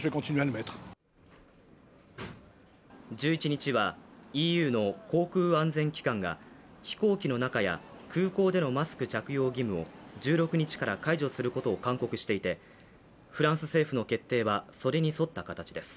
１１日はＥＵの航空安全機関が飛行機の中や空港でのマスク着用義務を１６日から解除することを勧告していてフランス政府の決定はそれに沿った形です。